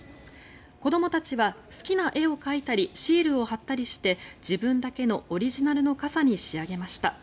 子どもたちは好きな絵を描いたりシールを貼ったりして自分だけのオリジナルの傘に仕上げました。